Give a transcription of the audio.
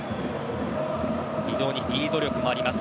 非常にフィード力もあります